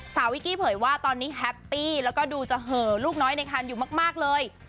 วิกกี้เผยว่าตอนนี้แฮปปี้แล้วก็ดูจะเหอลูกน้อยในคันอยู่มากเลย